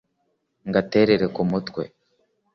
Ngaterere ku mutwe